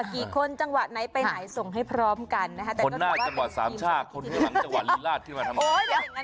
กี่คนจังหวะไหนไปไหนส่งให้พร้อมกันคนหน้าจังหวะสามชาติคนหลังจังหวะลินราศที่มาทำงาน